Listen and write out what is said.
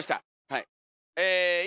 はい。